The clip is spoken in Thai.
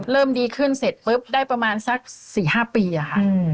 เริ่มดีขึ้นเสร็จปุ๊บได้ประมาณสัก๔๕ปีอะค่ะ